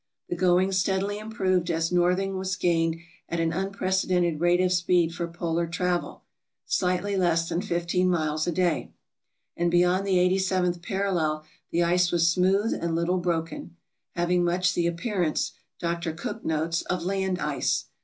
The going steadily improved as northing was gained at an unprece dented rate of speed for polar travel — slightly less than 15 miles a day; and beyond the 87th parallel the ice was smooth and little broken, having much the appearance, Dr. Cook notes, of land ice.